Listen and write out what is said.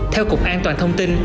theo cục an toàn thông tin